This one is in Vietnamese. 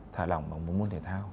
thả lỏng vào một môn thể thao